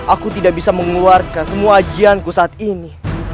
aku tidak bisa mengeluarkan semua ujianku saat ini